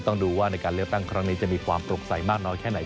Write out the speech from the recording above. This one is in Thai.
ต้องดูว่าในการเลือกตั้งครั้งนี้จะมีความโปร่งใสมากน้อยแค่ไหน